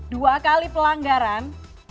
dua kali pelanggaran